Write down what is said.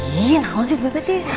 iya langsung bapak deh